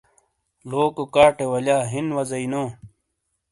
۔۔لوکو کاٹے والیا ہین وازی نو ۔